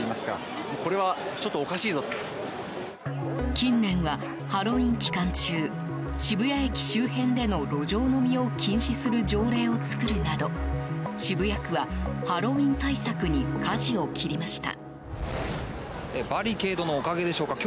近年はハロウィーン期間中渋谷駅周辺での路上飲みを禁止する条例を作るなど渋谷区はハロウィーン対策にかじを切りました。